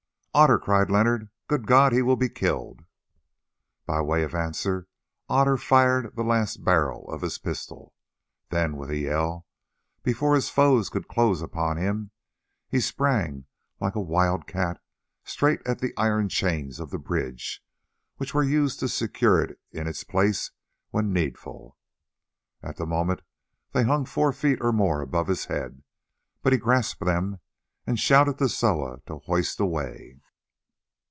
"Otter!" cried Leonard—"good God! he will be killed!" By way of answer Otter fired the last barrel of his pistol. Then with a yell, before his foes could close upon him he sprang like a wild cat straight at the iron chains of the bridge, which were used to secure it in its place when needful. At the moment they hung four feet or more above his head, but he grasped them and shouted to Soa to hoist away.